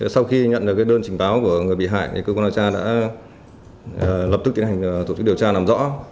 sau khi nhận được đơn trình báo của người bị hại cơ quan điều tra đã lập tức tiến hành tổ chức điều tra làm rõ